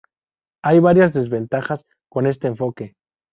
Hay varias desventajas con este enfoque.